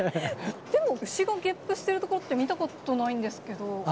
でも、牛がゲップしてるところって、見たことないんですけど。